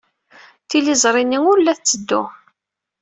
Tiliẓri-nni ur la tetteddu.